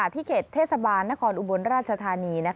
ทิเก็ตเทศบาลนครอุบวนราชธานี